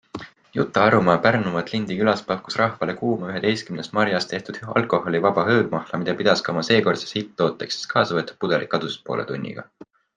Juta Arujõe Pärnumaalt Lindi külast pakkus rahvale kuuma üheteistkümnest marjast tehtud alkoholivaba hõõgmahla, mida pidas ka oma seekordseks hitt-tooteks, sest kaasa võetud pudelid kadusid poole tunniga.